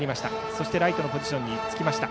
そしてライトのポジションにつきました。